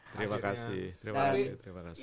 terima kasih terima kasih